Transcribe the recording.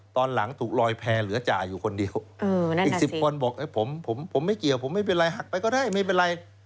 ตอนหลังถูกลอยแพร่เหลือจ่าอยู่คนเดียวอีก๑๐คนบอกผมไม่เกี่ยวผมไม่เป็นไรหักไปก็ได้ไม่เป็นไร